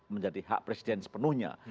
menjadi hak presiden sepenuhnya